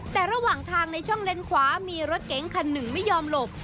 แต่ระหว่างทางในช่องเลนขวามีรถเก๋งคันหนึ่งไม่ยอมหลบ